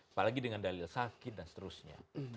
apalagi dengan dalil sakit dan seterusnya